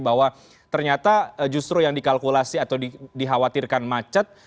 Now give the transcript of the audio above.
bahwa ternyata justru yang dikalkulasi atau dikhawatirkan macet